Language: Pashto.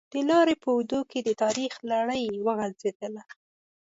د لارې په اوږدو کې د تاریخ لړۍ وغزېدله.